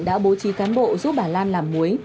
đã bố trí cán bộ giúp bà lan làm muối